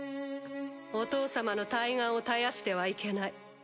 お父様の大願を絶やしてはいけない。